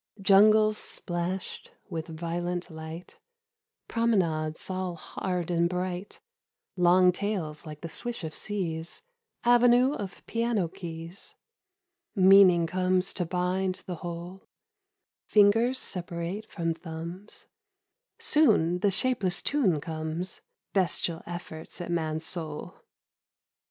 Jungles splashed with violent light, Promenades all hard and bright, Long tails like the swish of seas Avenue of piano keys. Meaning comes to bind the whole, Fingers separate from thumbs, Soon the shapeless tune comes : Bestial efforts at man's soul.